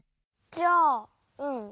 じゃあうん。